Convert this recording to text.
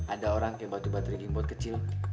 ada orang yang bantu baterai gameboard kecil